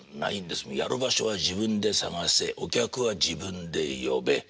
やる場所は自分で探せお客は自分で呼べ。